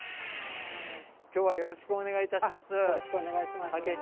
今日はよろしくお願いいたしますあっ